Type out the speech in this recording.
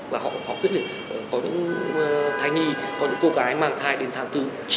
và họ quyết liệt có những thai nhì có những cô gái mang thai đến tháng bốn chín